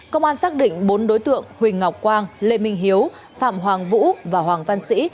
công an xác định bốn đối tượng huỳnh ngọc quang lê minh hiếu phạm hoàng vũ và hoàng văn sĩ